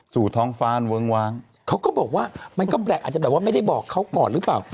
สู่ท้องฟ้านเวิ้งวางเขาก็บอกว่ามันก็อาจจะแบบว่าไม่ได้บอกเขาก่อนหรือเปล่า